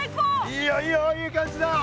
いいよいいよいい感じだよ。